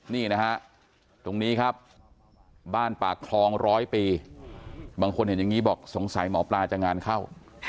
นี่นะฮะตรงนี้ครับบ้านปากคลองร้อยปีบางคนเห็นอย่างนี้บอกสงสัยหมอปลาจะงานเข้า